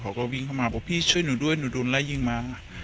เขาก็วิ่งเข้ามาบอกพี่ช่วยหนูด้วยหนูโดนไล่ยิงมั้ง